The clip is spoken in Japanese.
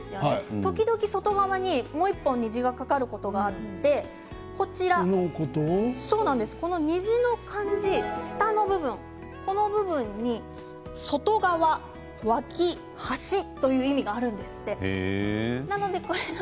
時々外側にもう１本虹が架かることがあってこの霓にじ下の部分に外側、脇、端という意味があるんです。